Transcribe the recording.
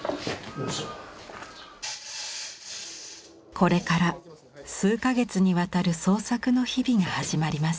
これから数か月にわたる創作の日々が始まります。